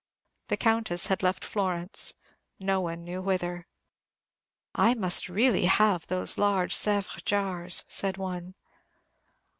The Countess had left Florence, none knew whither. "I must really have those large Sèvres jars," said one.